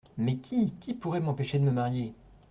Mais qui ? qui pourrait m’empêcher de me marier ?